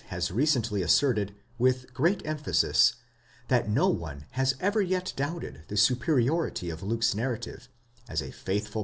has recently asserted with great emphasis, that no. one has ever yet doubted the superiority of Luke's narrative, as a faithful.